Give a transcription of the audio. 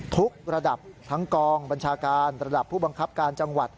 ระดับทั้งกองบัญชาการระดับผู้บังคับการจังหวัด